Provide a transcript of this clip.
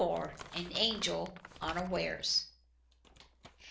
AN ANGEL UNAWARES.